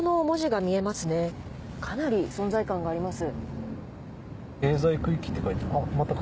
かなり存在感があります。